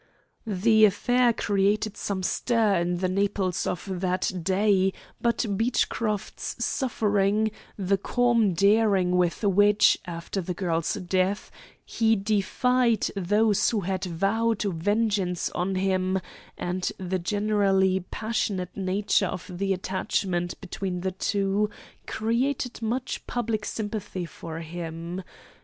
"The affair created some stir in the Naples of that day, but Beechcroft's suffering, the calm daring with which, after the girl's death, he defied those who had vowed vengeance on him, and the generally passionate nature of the attachment between the two, created much public sympathy for him.